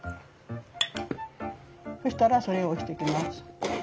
そしたらそれを押してきます。